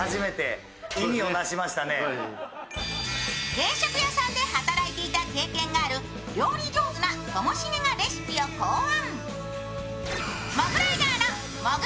定食屋さんで働いていた経験がある料理上手なともしげがレシピを考案。